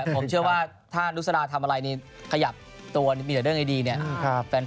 ผมเชื่อว่าถ้านุษราทำอะไรในขยับตัวมีแต่เรื่องดีเนี่ย